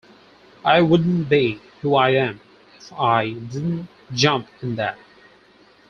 I wouldn't be who I am if I didn't jump in that.